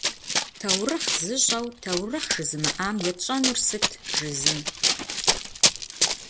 Таурыхъ зыщӏэу таурыхъ жызымыӏам етщӏэнур сыт?- жи зым.